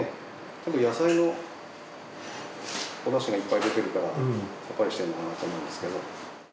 たぶん野菜のおだしがいっぱい出てるからさっぱりしてるのかなと思いますけど。